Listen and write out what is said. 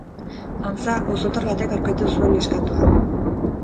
Antza, auzotar batek aurkitu zuen neskatoa.